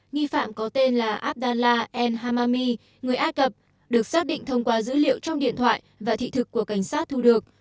nghi phạm có tên là abdallah hamami người ai cập được xác định thông qua dữ liệu trong điện thoại và thị thực của cảnh sát thu được